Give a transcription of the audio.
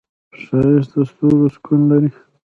ښایست د ستورو سکون لري